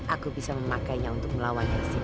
aku bisa memakainya untuk melawan isinta